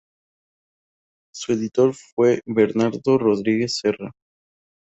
Su editor fue Bernardo Rodríguez Serra.